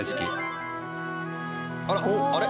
あらっあれ？